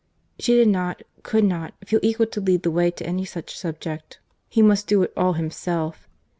—She did not, could not, feel equal to lead the way to any such subject. He must do it all himself.